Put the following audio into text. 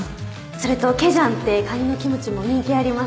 それとケジャンってカニのキムチも人気あります